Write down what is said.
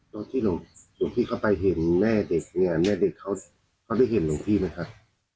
ตอนที่ลงพี่เข้าไปเห็นแม่เด็กแม่เด็กเข้าไปเห็นลงพี่มั้ยครับ